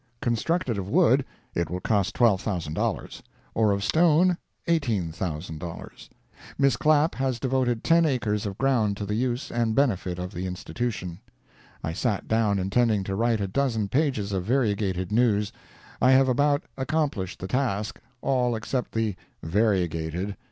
Constructed of wood, it will cost $12,000; or of stone, $18,000. Miss Clapp has devoted ten acres of ground to the use and benefit of the institution. I sat down intending to write a dozen pages of variegated news. I have about accomplished the task—all except the "variegated."